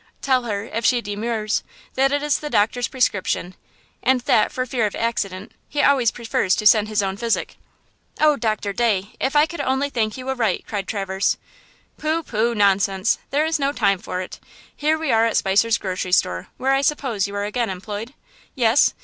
Tell her, if she demurs, that it is the doctor's prescription, and that, for fear of accident, he always prefers to send his own physic." "Oh, Doctor Day, if I could only thank you aright!" cried Traverse. "Pooh, pooh! nonsense! there is no time for it. Here we are at Spicer's grocery store, where I suppose you are again employed. Yes?